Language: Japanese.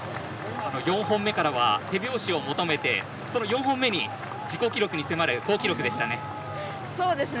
４本目からは手拍子を求めてその４本目に自己記録に迫る好記録でしたね。